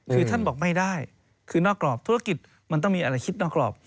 คือท่านบอกไม่ได้คือนอกกรอบธุรกิจมันต้องมีอะไรคิดนอกกรอบ